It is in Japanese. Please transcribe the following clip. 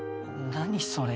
何それ？